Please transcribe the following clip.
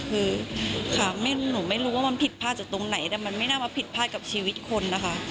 คือค่ะหนูไม่รู้ว่ามันผิดพลาดจากตรงไหนแต่มันไม่น่ามาผิดพลาดกับชีวิตคนนะคะ